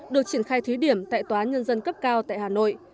được triển khai thúy điểm tại tòa nhân dân cấp cao tại hà nội